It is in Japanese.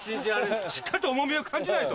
しっかりと重みを感じないと。